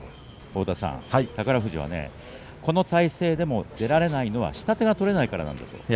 宝富士はこの体勢でも出られないのは下手が取れないからなんだと。